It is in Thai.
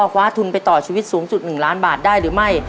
คว้าทุนไปต่อชีวิตสูงสุด๑ล้านบาทได้หรือไม่